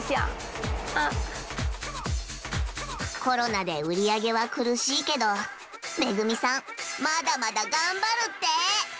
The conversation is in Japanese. コロナで売り上げは苦しいけど惠美さんまだまだ頑張るって！